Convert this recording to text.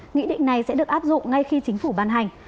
nghị định này sẽ được áp dụng ngay khi chính phủ ban hành